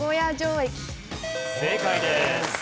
正解です。